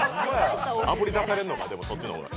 あぶり出されるのか、でも、そっちの方が。